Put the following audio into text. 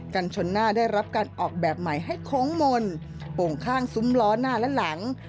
กันชนหน้าได้รับการออกแบบใหม่ให้โค้งมนต์โป่งข้างซุ้มล้อหน้าและหลัง